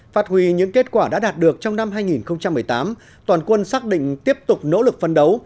phát huy những kết quả đã đạt được trong năm hai nghìn một mươi tám toàn quân xác định tiếp tục nỗ lực phân đấu